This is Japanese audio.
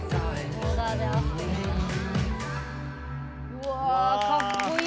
うわかっこいい。